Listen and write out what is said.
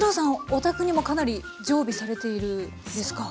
お宅にもかなり常備されているんですか？